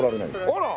あら。